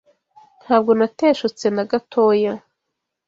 Ntabwo nateshutse na gatoya